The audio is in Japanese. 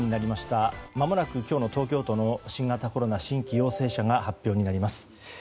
まもなく今日の東京都の新型コロナ新規陽性者が発表になります。